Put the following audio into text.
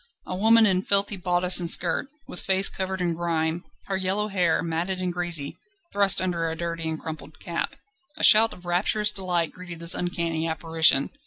A woman in filthy bodice and skirt, with face covered in grime, her yellow hair, matted and greasy, thrust under a dirty and crumpled cap. A shout of rapturous delight greeted this uncanny apparition.